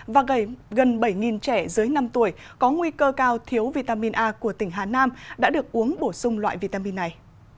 và gần bảy trẻ dưới năm tuổi có nguy cơ cao thiếu vitamin a của tỉnh hà nam đã được uống bổ sung loại vitamin này